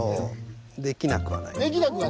できなくはない？